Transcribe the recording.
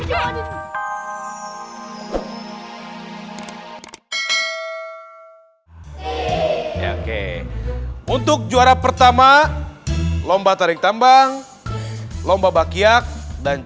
dan cinta untuk juara pertama lomba tarik tambang lomba bakiak dan cinta